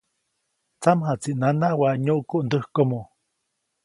Tsamjaʼtsi nana waʼa nyuʼku ndäkomoʼ.